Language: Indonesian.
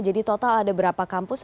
jadi total ada berapa kampus